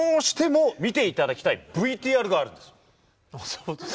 そうですか。